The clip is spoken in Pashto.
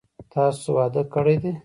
تاسو واده کړی دی؟